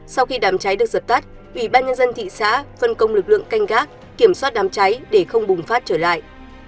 sau khi đám cháy được giật tắt ủy ban nhân dân thị xã phân công lực lượng canh gác kiểm soát đám cháy để không bùng phát trở lại